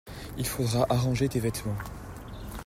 Il faudra arranger tes vêtements.